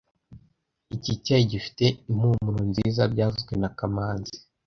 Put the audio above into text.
Iki cyayi gifite impumuro nziza byavuzwe na kamanzi